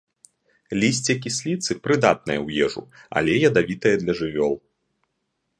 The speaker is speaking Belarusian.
Лісце кісліцы прыдатнае ў ежу, але ядавітае для жывёл.